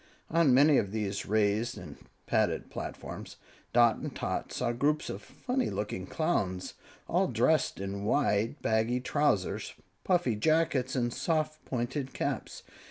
On many of these raised and padded platforms, Dot and Tot saw groups of funny looking Clowns, all dressed in wide, baggy trousers, puffy jackets and soft, pointed caps.